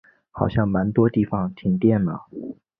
好像蛮多地方停电了